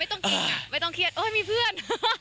ไม่ต้องเครียดไม่ต้องเครียดโอ้ยมีเพื่อน